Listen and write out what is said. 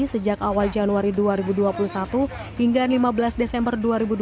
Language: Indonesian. sejak awal januari dua ribu dua puluh satu hingga lima belas desember dua ribu dua puluh